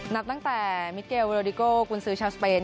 นับตั้งแต่มิเกลโรดิโกกุญซื้อชาวสเปน